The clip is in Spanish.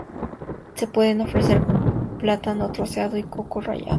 Se pueden ofrecer plátano troceado y coco rallado.